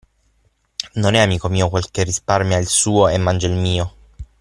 Non è amico mio quel che risparmia il suo e mangia il mio.